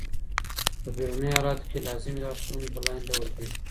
په بېړنیو حالاتو کي لازمي لارښووني په لاندي ډول دي.